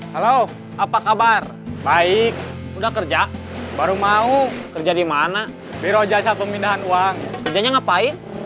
halo apa kabar baik udah kerja baru mau kerja di mana biro jasa pemindahan uang kerjanya ngapain